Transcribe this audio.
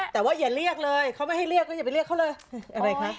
แต่ว่าอย่าเรียกเลยเขาไม่ให้เรียกก็อย่าไปเรียกเขาเลยอะไรคะ